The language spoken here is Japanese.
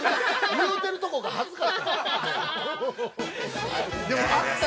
言うてることがはずかった。